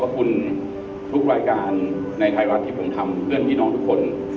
ขอบคุณทุกรายการในไทยรัฐที่ผมทำเพื่อนพี่น้องทุกคน